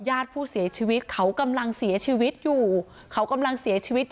ญาติผู้เสียชีวิตเขากำลังเสียชีวิตอยู่เขากำลังเสียชีวิต